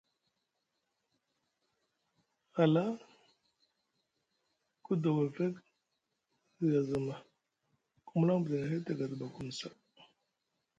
Hala ku dogo evek zi azama ku mulaŋ midini hedek a duɓakum saa.